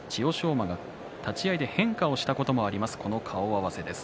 馬が立ち合いで変化をしたこともあります、この顔合わせです。